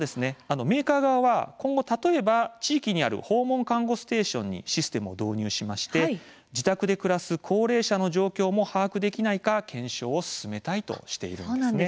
メーカー側は今後例えば地域にある訪問看護ステーションにシステムを導入して自宅で暮らす高齢者の状況も把握できないか検証を進めたいとしているんです。